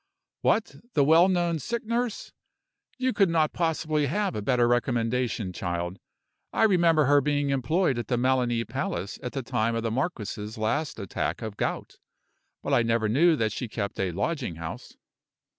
"What! the well known sick nurse? You could not possibly have a better recommendation, child. I remember her being employed at the Melani Palace at the time of the marquis's last attack of gout; but I never knew that she kept a lodging house."